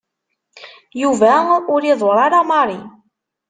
Yuba ur iḍuṛṛ ara Mary.